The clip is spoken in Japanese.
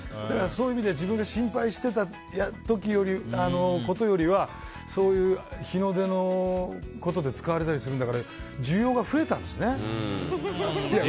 だから、そういう意味で自分で心配してたことよりはそういう日の出のことで使われたりするんだから需要が増えたんですね。